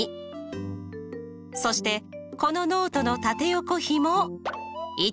そしてこのノートの縦横比も１対。